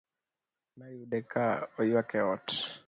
Nayude ka oywak e ot